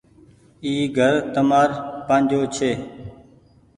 اي گھر تمآر پآجو ڇي۔